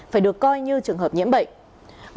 phải được coi như trường hợp nhiễm bệnh